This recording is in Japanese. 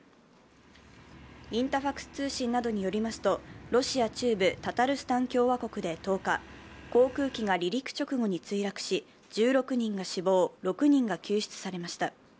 インタファクス通信などによりますと、ロシア中部タタルスタン共和国で１０日、航空機が離陸直後に墜落し１６人が死亡、６人が救出されました。